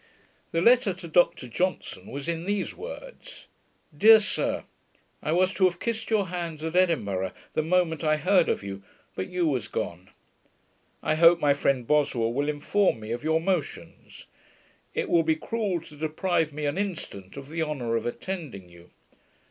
The letter to Dr Johnson was in these words: Dear Sir, I was to have kissed your hands at Edinburgh, the moment I heard of you; but you were gone. I hope my friend Boswell will inform me of your motions. It will be cruel to deprive me an instant of the honour of attending you.